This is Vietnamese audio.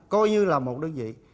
coi như là một đơn vị